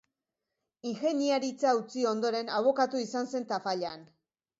Ingeniaritza utzi ondoren, abokatu izan zen Tafallan.